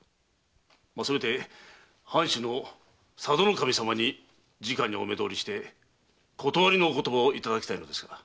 せめて藩主の佐渡守様に直にお目通りして断りのお言葉をいただきたいのですが。